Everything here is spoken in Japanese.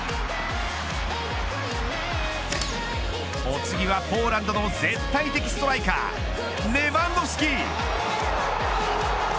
お次はポーランドの絶対的ストライカーレヴァンドフスキ。